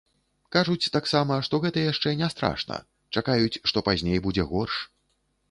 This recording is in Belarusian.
Кажуць таксама, што гэта яшчэ не страшна, чакаюць, што пазней будзе горш.